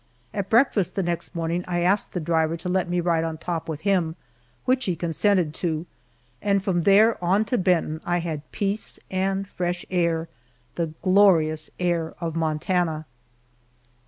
At breakfast the next morning I asked the driver to let me ride on top with him, which he consented to, and from there on to Benton I had peace and fresh air the glorious air of Montana.